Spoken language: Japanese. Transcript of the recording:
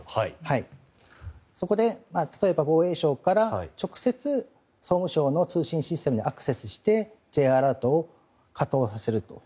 そこで例えば、防衛省から直接、総務省の通信システムにアクセスしてＪアラートを稼働せると。